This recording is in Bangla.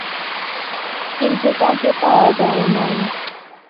কিন্তু তাকে পাওয়া যায় নাই।